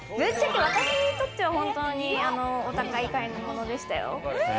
私にとっては、お高い買い物でしたよ。